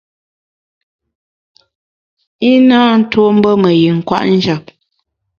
I na tuo pe me yin kwet njap.